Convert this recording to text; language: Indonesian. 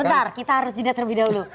sebentar kita harus jeda terlebih dahulu